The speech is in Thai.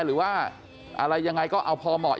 หรือว่าอะไรยังไงก็เอาพอเหมาะ